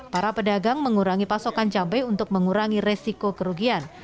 para pedagang mengurangi pasokan cabai untuk mengurangi resiko kerugian